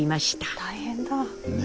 大変だ。ね。